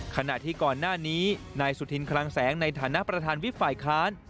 ขณะที่ก่อนหน้านี้นายสุธินคลังแสงในฐานะประธานวิบฝ่ายค้าน